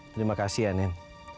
terima kasih ya nin